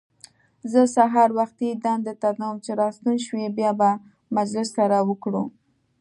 زه سهار وختي دندې ته ځم، چې راستون شوې بیا به مجلس سره وکړو.